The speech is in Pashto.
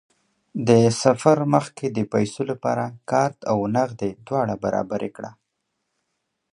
د سفر مخکې د پیسو لپاره کارت او نغدې دواړه برابرې کړه.